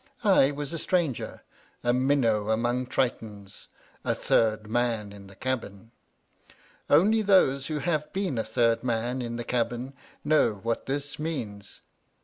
I was a stranger — a minnow among Tritons — a third man in the cabin. Only those who have been a third man in the cabin know what this means.